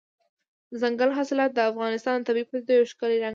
دځنګل حاصلات د افغانستان د طبیعي پدیدو یو ښکلی رنګ دی.